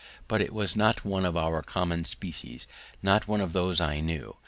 But it was not one of our common species not one of those I knew.